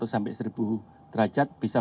sampai satu derajat bisa